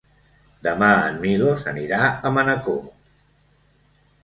Demà en Milos anirà a Manacor.